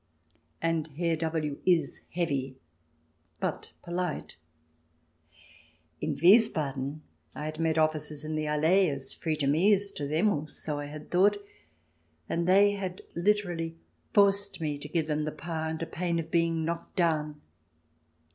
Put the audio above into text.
And Herr W is heavy but polite. In Wiesbaden I had met officers in the Allee, as free to me as to them, or so I had thought, and they had literally forced me to give them the pas, under pain of being knocked down.